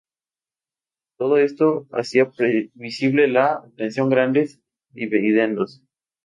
Todo esto hacía previsible la obtención grandes dividendos.